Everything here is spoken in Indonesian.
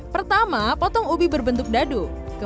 pertama potong ubi berbentuk dadu